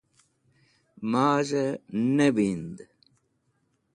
Maz̃hẽ ne wind